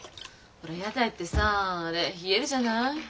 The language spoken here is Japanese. ほら屋台ってさあれ冷えるじゃない？